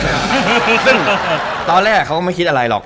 ซึ่งตอนแรกเขาก็ไม่คิดอะไรหรอก